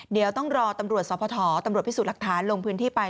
เดี๋ยวต้องรอตำรวจสพตำรวจพิสูจน์หลักฐานลงพื้นที่ไป